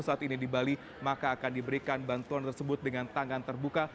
saat ini di bali maka akan diberikan bantuan tersebut dengan tangan terbuka